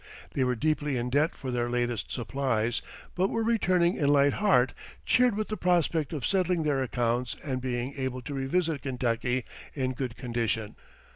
They were deeply in debt for their latest supplies, but were returning in light heart, cheered with the prospect of settling their accounts and being able to revisit Kentucky in good condition.